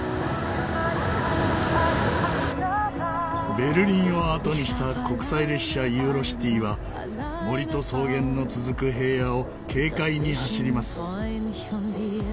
ベルリンをあとにした国際列車ユーロシティは森と草原の続く平野を軽快に走ります。